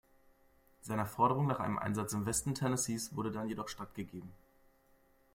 Seiner Forderung nach einem Einsatz im Westen Tennessees wurde dann jedoch stattgegeben.